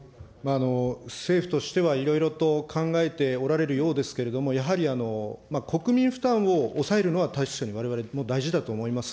政府としては、いろいろと考えておられるようですけれども、やはり国民負担を抑えるのは確かにわれわれも大事だと思います。